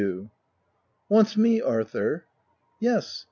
u Wants me, Arthur ?'*" Yes.